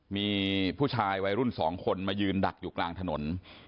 มีผู้ชายวัยรุ่นสองคนมายืนดักอยู่กลางถนน